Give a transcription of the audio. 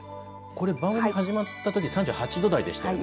番組始まったとき３８度台でしたよね。